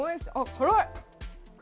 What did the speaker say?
辛い。